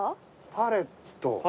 パレット。